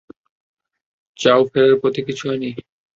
চাও ফেরার পথে কিছু আনি?